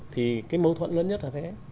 thì cái mâu thuẫn lớn nhất là thế